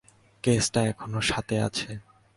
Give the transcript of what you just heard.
কেসটা এখনো সাথে আছে?